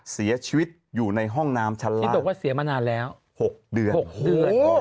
เสียชีวิตอยู่ในห้องน้ำชั้นล่างที่บอกว่าเสียมานานแล้ว๖เดือน๖เดือน